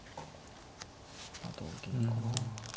まあ同銀か。